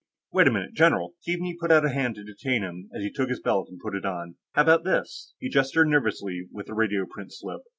"Wait a minute, general." Keaveney put out a hand to detain him as he took his belt and put it on. "How about this?" He gestured nervously with the radioprint slip.